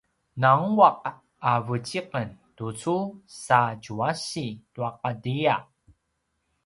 nangua’ a vuci’en tucu sa djuasi tua ’atia